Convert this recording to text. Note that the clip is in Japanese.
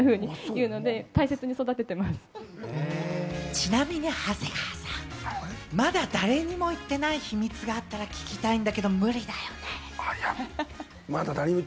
ちなみに長谷川さん、まだ誰にも言ってない秘密があったら聞きたいんだけれども、無理だよね？